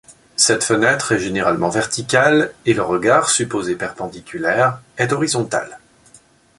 Cette fenêtre est généralement verticale, et le regard, supposé perpendiculaire, est horizontal.